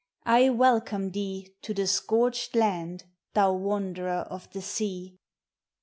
I welcome thee To the scorched land, thou wanderer of the sea